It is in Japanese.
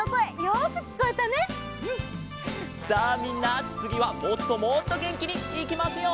さあみんなつぎはもっともっとげんきにいきますよ！